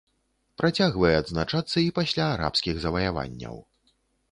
Працягвае адзначацца і пасля арабскіх заваяванняў.